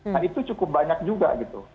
nah itu cukup banyak juga gitu